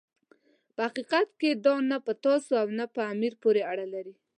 په حقیقت کې دا نه په تاسو او نه په امیر پورې اړه لري.